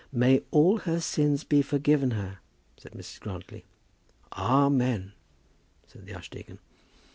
"May all her sins be forgiven her," said Mrs. Grantly. "Amen," said the archdeacon.